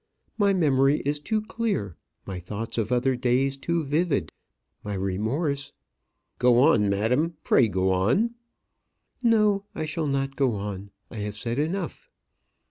My memory is too clear; my thoughts of other days too vivid; my remorse " "Go on, madam; pray go on." "No, I shall not go on. I have said enough."